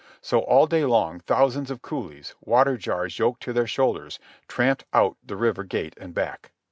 So all day long thousands of coolies, water jars yoked to their shoulders, tramp out the river gate and back.